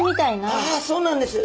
あそうなんです。